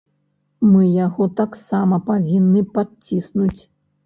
Мы яго таксама павінны падціснуць.